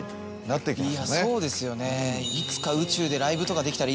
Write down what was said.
そうですよねいつか。